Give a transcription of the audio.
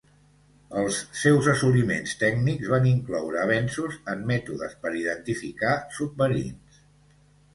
Els seus assoliments tècnics van incloure avenços en mètodes per identificar submarins.